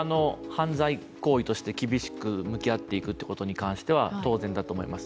犯罪行為として厳しく向き合っていくことに関しては当然だと思います。